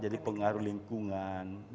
jadi pengaruh lingkungan